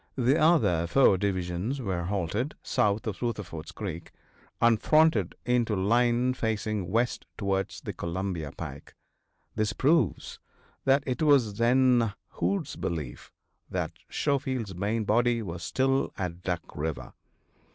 The other four divisions were halted south of Rutherford's creek, and fronted into line facing west towards the Columbia pike. This proves that it was then Hood's belief that Schofield's main body was still at Duck river.